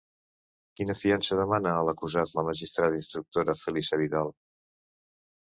Quina fiança demanà a l'acusat la magistrada-instructora Felisa Vidal?